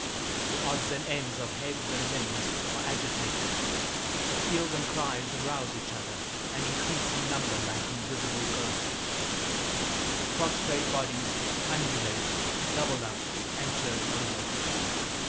The odds and ends of heads and limbs are agitated, appeals and cries arouse each other and increase in number like invisible ghosts. The prostrate bodies undulate, double up, and turn over.